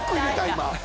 今。